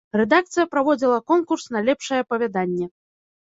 Рэдакцыя праводзіла конкурс на лепшае апавяданне.